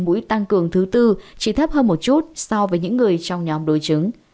mũi tăng cường thứ tư chỉ thấp hơn một chút so với những người trong nhóm đối chứng